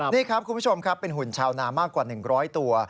นี่ครับคุณผู้ชมครับเป็นหุ่นชาวนามากกว่า๑๐๐ตัว